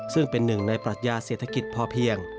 ซึ่งเป็นหนึ่งในปรัชญาเศรษฐกิจพอเพียง